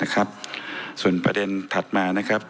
ก็คือไปร้องต่อสารปกครองกลาง